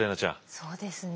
そうですね。